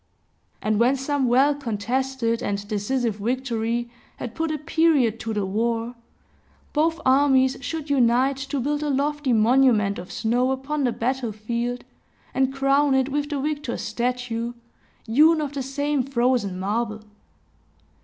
And when some well contested and decisive victory had put a period to the war, both armies should unite to build a lofty monument of snow upon the battle field, and crown it with the victor's statue, hewn of the same frozen marble.